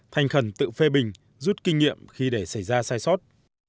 thành khẩn tự phê bình rút kinh nghiệm khi để xảy ra sai sót